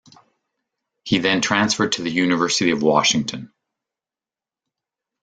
He then transferred to the University of Washington.